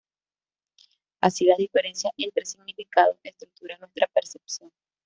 Así, las diferencias entre significados estructuran nuestra percepción.